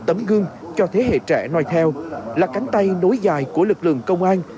tấm gương cho thế hệ trẻ nói theo là cánh tay nối dài của lực lượng công an